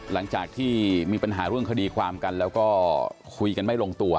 หลังจากที่มีปัญหาเรื่องคดีความกันแล้วก็คุยกันไม่ลงตัว